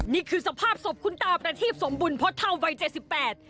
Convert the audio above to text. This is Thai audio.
นี่คือสภาพศพคุณตาประทีบสมบุญพฤษเท่าวัยเจ็ดสิบแปด